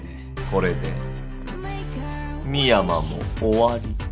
これで深山も終わり。